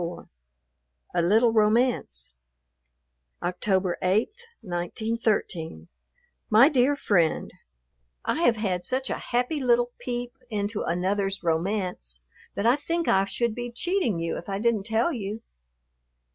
XXIV A LITTLE ROMANCE October 8, 1913. MY DEAR FRIEND, I have had such a happy little peep into another's romance that I think I should be cheating you if I didn't tell you.